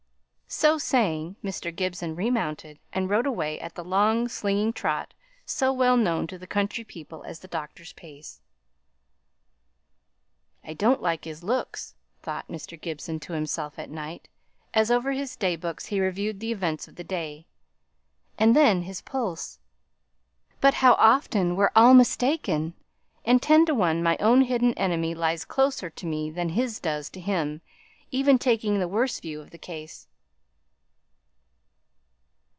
So saying, Mr. Gibson remounted, and rode away at the long, slinging trot so well known to the country people as the doctor's pace. "I don't like his looks," thought Mr. Gibson to himself at night, as over his daybooks he reviewed the events of the day. "And then his pulse. But how often we're all mistaken; and, ten to one, my own hidden enemy lies closer to me than his does to him even taking the worse view of the case."